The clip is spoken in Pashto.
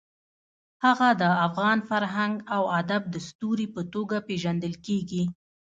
هغه د افغان فرهنګ او ادب د ستوري په توګه پېژندل کېږي.